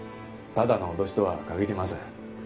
ただの脅しとは限りません。